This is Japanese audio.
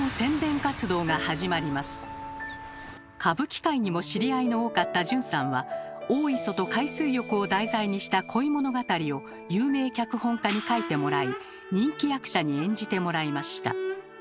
歌舞伎界にも知り合いの多かった順さんは大磯と海水浴を題材にした恋物語を有名脚本家に書いてもらい人気役者に演じてもらいました。